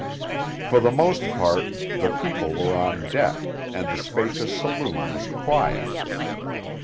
For the most part, the people were on deck, and the spacious saloon was quiet.